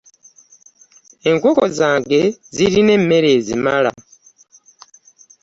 Enkoko zange zirina emmere ezimala.